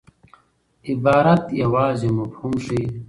عبارت یوازي مفهوم ښيي.